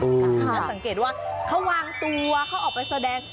แล้วสังเกตว่าเขาวางตัวเขาออกไปแสดง